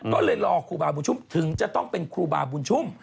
ก็เลยรอครูบาบุญชุมถึงจะต้องเป็นครูบาบุญชุ่ม